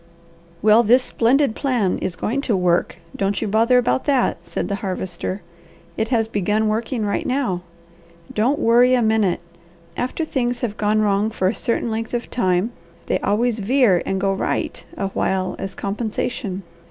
"Well this 'splendid plan' is going to 'work,' don't you bother about that," said the Harvester. "It has begun working right now. Don't worry a minute. After things have gone wrong for a certain length of time, they always veer and go right a while as compensation.